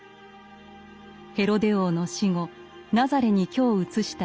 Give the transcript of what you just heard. ヘロデ王の死後ナザレに居を移したイエス。